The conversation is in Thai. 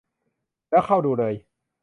แล้วเข้าดูเลย